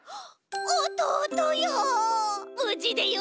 おとうとよ！